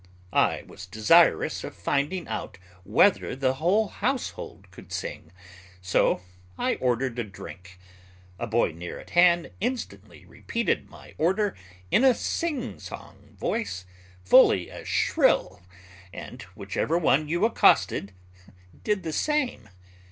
I was desirous of finding out whether the whole household could sing, so I ordered a drink; a boy near at hand instantly repeated my order in a singsong voice fully as shrill, and whichever one you accosted did the same.